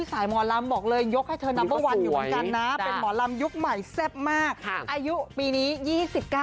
สายหมอนลำบอกเลยยกให้เชิงทีล